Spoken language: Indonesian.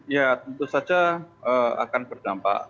ya tentu saja akan berdampak